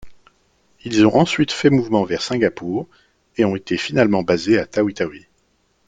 Ils ont ensuite fait mouvement vers Singapour, et ont été finalement basés à Tawi-Tawi.